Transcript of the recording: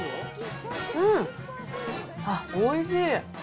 うん、あっ、おいしい。